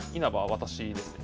私ですね。